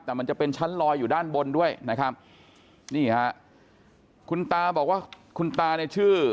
แต่มันจะเป็นชั้นลอยอยู่ด้านบนด้วยนะครับนี่ฮะคุณตาบอกว่าคุณตาเนี่ยชื่อ